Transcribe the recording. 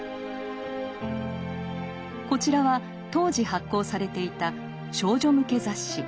こちらは当時発行されていた少女向け雑誌。